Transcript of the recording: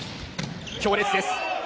強烈です。